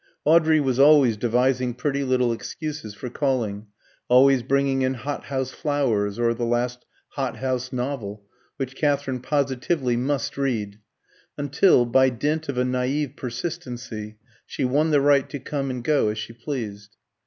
Audrey was always devising pretty little excuses for calling, always bringing in hothouse flowers, or the last hothouse novel, which Katherine positively must read; until, by dint of a naïve persistency, she won the right to come and go as she pleased.